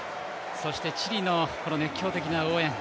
そしてチリの熱狂的な応援。